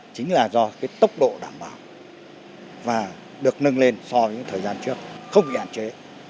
chính là do cái tốc độ đảm bảo và được nâng lên so với thời gian trước không bị hạn chế